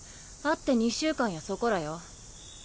会って２週間やそこらよ。